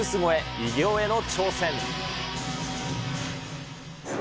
偉業への挑戦。